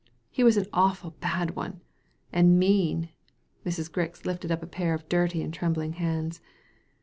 He was an awful bad one — and mean I " Mrs. Grix lifted up a pair of dirty and trembling hands.